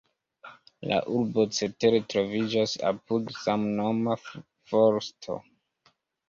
La urbo cetere troviĝas apud samnoma forsto.